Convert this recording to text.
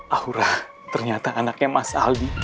aura ternyata anaknya mas aldi